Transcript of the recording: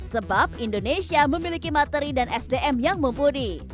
sebab indonesia memiliki materi dan sdm yang mumpuni